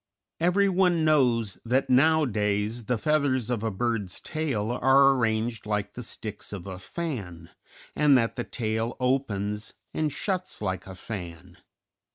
Everyone knows that nowadays the feathers of a bird's tail are arranged like the sticks of a fan, and that the tail opens and shuts like a fan.